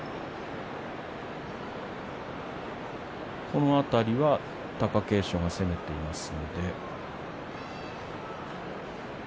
この辺りは貴景勝攻めています。